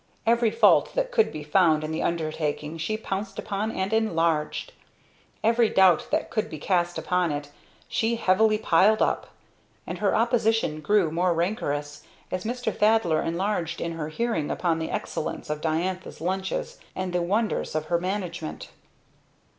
Every fault that could be found in the undertaking she pounced upon and enlarged; every doubt that could be cast upon it she heavily piled up; and her opposition grew more rancorous as Mr. Thaddler enlarged in her hearing upon the excellence of Diantha's lunches and the wonders of her management.